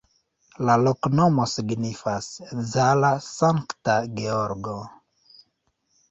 La loknomo signifas: Zala-Sankta Georgo.